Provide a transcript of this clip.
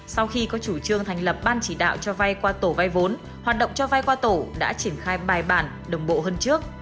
sau khi có chủ trương thành lập ban chỉ đạo cho vay qua tổ vay vốn hoạt động cho vay qua tổ đã triển khai bài bản đồng bộ hơn trước